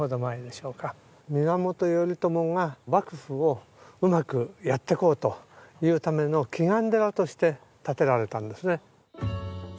源頼朝が幕府をうまくやっていこうというための祈願寺として建てられたんですね。